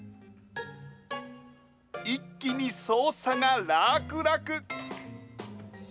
一気に操作が楽々。